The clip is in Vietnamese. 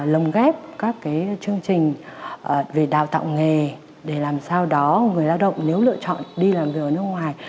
lồng ghép các chương trình về đào tạo nghề để làm sao đó người lao động nếu lựa chọn đi làm việc ở nước ngoài